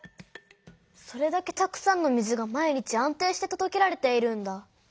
それだけたくさんの水が毎日安定してとどけられているんだ。